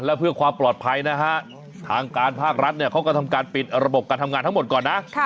และเพื่อความปลอดภัยนะฮะทางการภาครัฐเนี่ยเขาก็ทำการปิดระบบการทำงานทั้งหมดก่อนนะ